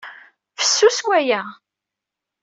Fessus waya!